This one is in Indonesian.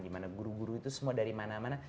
dimana guru guru itu semua dari mana mana